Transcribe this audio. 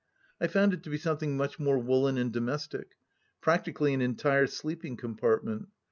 I found it to be something much more woollen and domestic — practically an entire sleeping compartment.